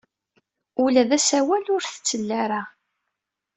Ula d asawal ur t-tli ara.